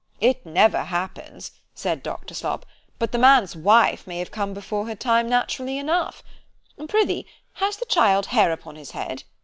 _ It never happens: said Dr. Slop, but the man's wife may have come before her time naturally enough——Prithee has the child hair upon his head?